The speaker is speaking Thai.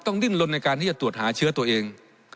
ดิ้นลนในการที่จะตรวจหาเชื้อตัวเอง